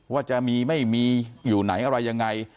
ว่าจะมีไม่มีอยู่ไหนอะไรยังไง